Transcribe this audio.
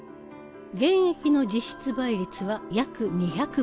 現役の実質倍率は約２００倍。